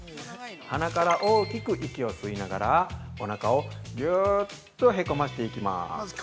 鼻から大きく息を吸いながらおなかをぎゅっとへこませていきます。